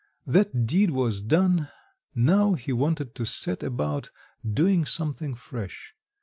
That deed was done, now he wanted to set about doing something fresh.